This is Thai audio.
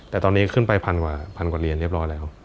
แต่ตอนนี้ขึ้นไป๑๐๐๐กว่าเหรียญเรียบร้อยแล้ว